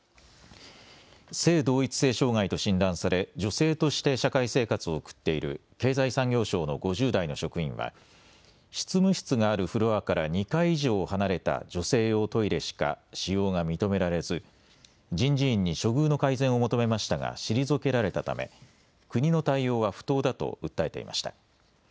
性同一性障害と診断され女性として社会生活を送っている経済産業省の５０代の職員は執務室があるフロアから２階以上離れた女性用トイレしか使用が認められず人事院に処遇の改善を求めましたが退けられたため国の対応は不当だと訴えていました。